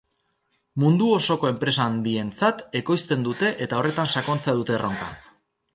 Mundu osoko enpresa handientzat ekoizten dute eta horretan sakontzea dute erronka.